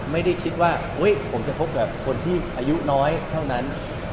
ไม่ได้คิดว่าผมจะคบกับคนที่อายุน้อยเท่านั้น